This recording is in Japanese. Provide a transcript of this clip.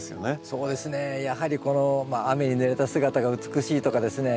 そうですねやはりこの雨にぬれた姿が美しいとかですね